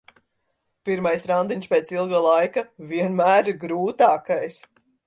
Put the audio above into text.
Pirmais randiņš pēc ilga laika vienmēr ir grūtākais.